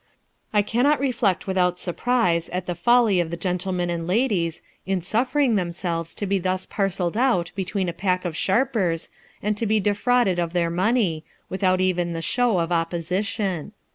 I cannot reflect without surprise at the folly of the gentlemen and ladies, in suffering themselves to be thus parcelled out between a pack of sharpers, and to be defrauded of their money, without even the show of opposition.